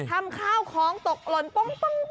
ทำข้าวของตกหล่น